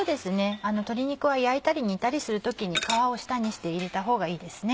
鶏肉は焼いたり煮たりする時に皮を下にして入れたほうがいいです。